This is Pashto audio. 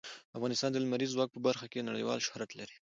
افغانستان د لمریز ځواک په برخه کې نړیوال شهرت لري.